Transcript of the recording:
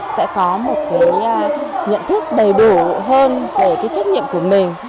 sẽ có một nhận thức đầy đủ hơn về trách nhiệm của mình